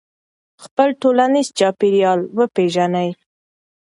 خپل ټولنیز چاپېریال وپېژنئ.